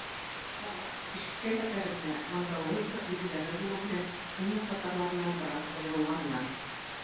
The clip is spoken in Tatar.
Алар тышкы кыяфәтләрендә монголоидлык билгеләре булу белән көньяк татарларыннан бераз аерылганнар.